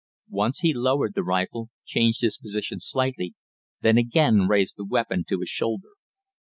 Once he lowered the rifle, changed his position slightly, then again raised the weapon to his shoulder.